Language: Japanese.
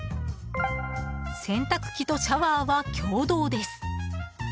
洗濯機とシャワーは共同です。